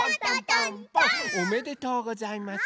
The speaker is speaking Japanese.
おめでとうございます。